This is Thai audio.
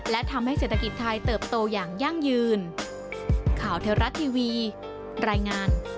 และทำให้เศรษฐกิจไทยเติบโตอย่างยั่งยืน